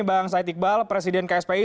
bang said iqbal presiden kspi